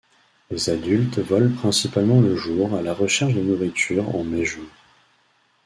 Les adultes volent principalement le jour à la recherche de nourriture en mai-juin.